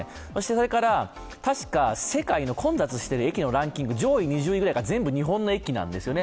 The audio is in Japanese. それからたしか世界の混雑してる駅のランキングの上位は全部、日本の駅なんですよね。